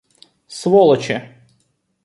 Сволочи!